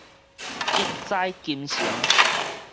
億載金城